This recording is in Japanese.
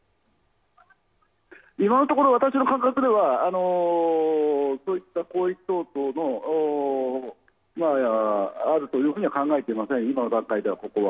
今のところ、私の感覚では、そういった攻撃等々のあるというふうには考えていません。